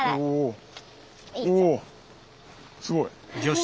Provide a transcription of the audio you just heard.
おすごい！